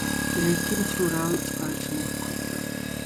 ერთი მცურავი წყალს მოჰქონდა